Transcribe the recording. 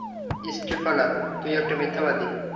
Stifler, তুই একটা মিথ্যাবাদী।